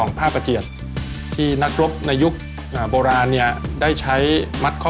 ชื่อปราปไตจักรเนี่ยเป็นชื่อของช้างศึกของพระเอกาทศรษฐ์ชื่อว่าเจ้าพระยาปราปไตจักร